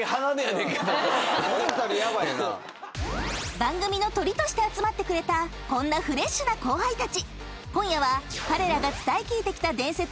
［番組のトリとして集まってくれたこんなフレッシュな後輩たち。